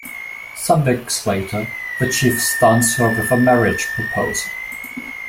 Some weeks later, the Chief stuns her with a marriage proposal.